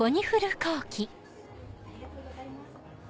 ありがとうございます。